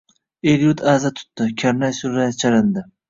El-yurt aza tutdi. Karnay-surnay chalindi.